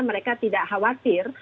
mereka tidak khawatir